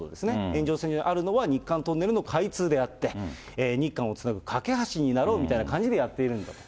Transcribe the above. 延長線上にあるのは、日韓トンネルの開通であって、日韓をつなぐ懸け橋になろうみたいな感じでやっているんだと。